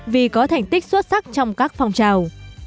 vì có thành tích xuất sắc trong các phong trào